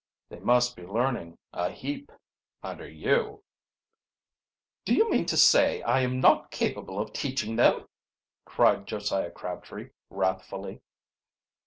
"They must be learning a heap under you." "Do you mean to say I am not capable of teaching them!" cried Josiah Crabtree, wrathfully.